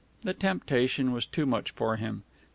The temptation was too much for him.